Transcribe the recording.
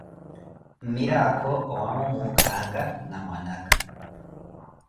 Mmiraakho owaamo muukhaaka na mwana aka.